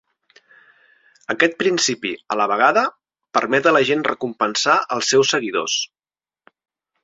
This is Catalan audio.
Aquest principi, a la vegada, permet a la gent recompensar els seus seguidors.